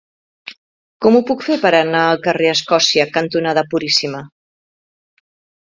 Com ho puc fer per anar al carrer Escòcia cantonada Puríssima?